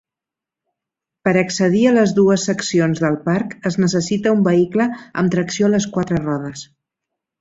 Per accedit a les dues seccions del parc es necessita un vehicle amb tracció a les quatre rodes.